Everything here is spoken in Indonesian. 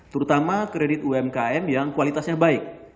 terutama kredit umkm yang kualitasnya baik